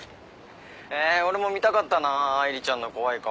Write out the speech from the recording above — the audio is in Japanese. え俺も見たかったな愛梨ちゃんの怖い顔。